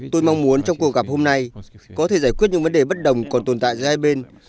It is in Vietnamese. tôi mong muốn trong cuộc gặp hôm nay có thể giải quyết những vấn đề bất đồng còn tồn tại giữa hai bên